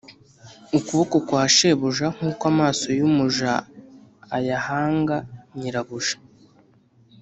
ukuboko kwa shebuja Nk uko amaso y umuja ayahanga nyirabuja